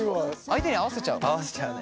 相手に合わせちゃう？